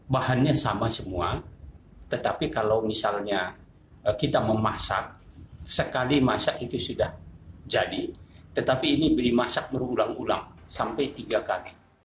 bahannya sama semua tetapi kalau misalnya kita memasak sekali masak itu sudah jadi tetapi ini beli masak berulang ulang sampai tiga kali